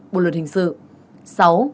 bộ luật hình sự